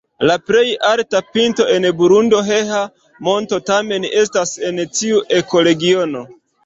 La plej alta pinto en Burundo, Heha-Monto tamen estas en tiu ekoregiono.